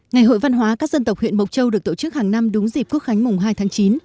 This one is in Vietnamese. ngày hội văn hóa các dân tộc huyện mộc châu được tổ chức hàng năm đúng dịp quốc khánh mùng hai tháng chín